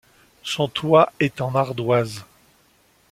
Son toit est en ardoise.